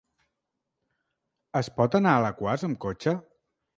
Es pot anar a Alaquàs amb cotxe?